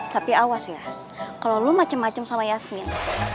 tapi awas ya kalo lo macem macem sama yasmin